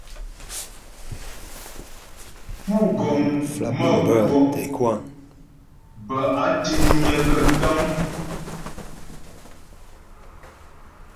Pú́ gɔm mə́ kwɔ' bə́ áa tíŋnyə̌ gaə́ tə́ŋ.